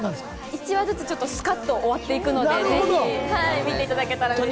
１話ずつスカッと終わっていくので、ぜひ見ていただけたら嬉しいです。